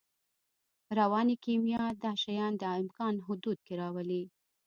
رواني کیمیا دا شیان د امکان په حدودو کې راولي